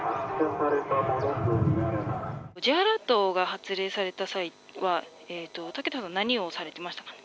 Ｊアラートが発令された際は何をされていましたか。